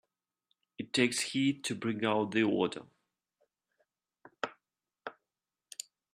It takes heat to bring out the odor.